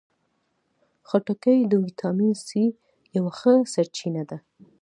خټکی د ویټامین سي یوه ښه سرچینه ده.